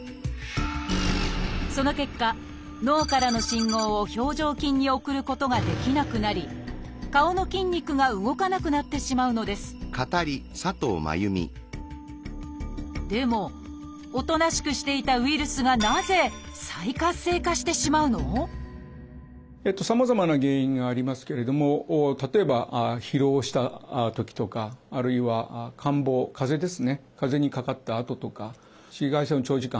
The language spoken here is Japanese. その結果脳からの信号を表情筋に送ることができなくなり顔の筋肉が動かなくなってしまうのですでもおとなしくしていたウイルスがさまざまな原因がありますけれども例えばそういったときに起こるとされています。